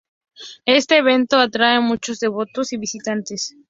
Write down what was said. Este evento atrae a muchos devotos y visitantes.